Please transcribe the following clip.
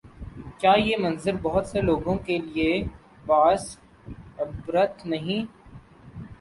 کیا یہ منظر بہت سے لوگوں کے لیے باعث عبرت نہیں؟